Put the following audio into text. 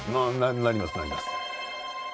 なりますなります。